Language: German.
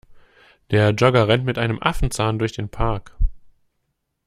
Der Jogger rennt mit einem Affenzahn durch den Park.